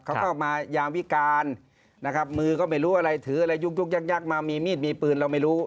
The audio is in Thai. เขาเข้ามายามวิการนะครับมือก็ไม่รู้อะไรถืออะไรยุกยุกยักยักมามีมีดมีปืนเราไม่รู้